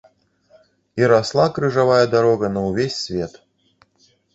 І расла крыжавая дарога на ўвесь свет.